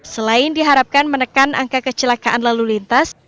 selain diharapkan menekan angka kecelakaan lalu lintas